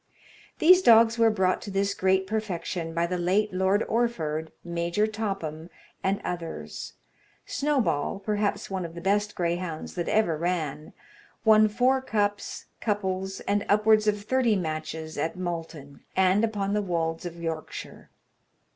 These dogs were brought to this great perfection by the late Lord Orford, Major Topham, and others. Snowball, perhaps one of the best greyhounds that ever ran, won four cups, couples, and upwards of thirty matches, at Malton, and upon the wolds of Yorkshire.